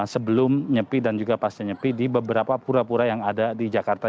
sebelum nyepi dan juga pas nyepi di beberapa pura pura yang ada di jakarta